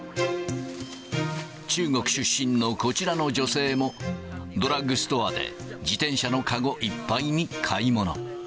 中国出身のこちらの女性も、ドラッグストアで自転車の籠いっぱいに買い物。